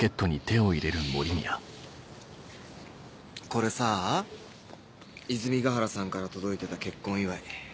これさぁ泉ヶ原さんから届いてた結婚祝い。